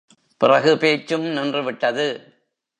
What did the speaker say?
பிறகு பேச்சும் நின்றுவிட்டது.